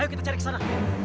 ayo kita cari kesana